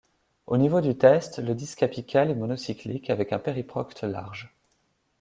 Au niveau du test, le disque apical est monocyclique avec un périprocte large.